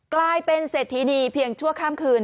กลายเป็นเศรษฐีนีเพียงชั่วข้ามคืน